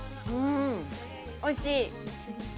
うんおいしい！